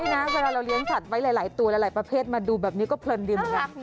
นี่นาเวลาเรียนสัตว์ไว้หลายประเภทมาดูแบบนี้ก็เพลินดีมาก